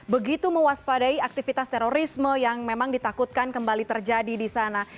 begitu mewaspadai aktivitas terorisme yang memang ditakutkan kembali terjadi di sana